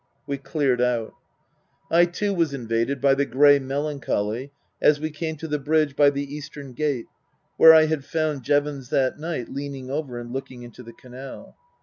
We cleared out. I too was invaded by the grey melancholy as we came to the bridge by the eastern gate where I had found Jevons that night leaning over and looking into the canal.